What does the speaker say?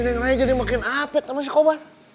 ini ngeraya jadi makin apet sama si kobar